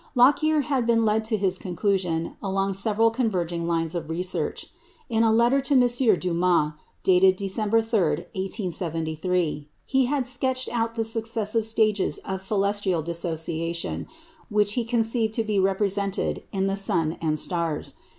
Lockyer had been led to his conclusion along several converging lines of research. In a letter to M. Dumas, dated December 3, 1873, he had sketched out the successive stages of "celestial dissociation" which he conceived to be represented in the sun and stars.